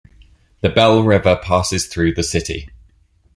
The Belle River passes through the city.